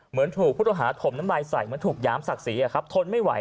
เหมือนถูกผู้ต้องหาถมน้ำลายใส่เหมือนถูกหยามศักดิ์ศรีทนไม่ไหว